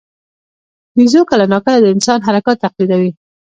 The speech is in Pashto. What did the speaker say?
بیزو کله ناکله د انسان حرکات تقلیدوي.